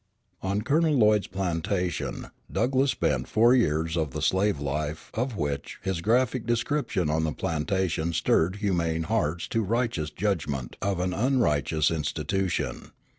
On Colonel Lloyd's plantation Douglass spent four years of the slave life of which his graphic description on the platform stirred humane hearts to righteous judgment of an unrighteous institution.